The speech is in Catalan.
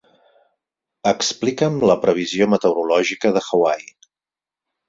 Explica'm la previsió meteorològica de Hawaii.